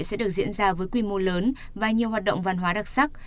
sẽ được diễn ra với quy mô lớn và nhiều hoạt động văn hóa đặc sắc